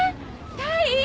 タイ！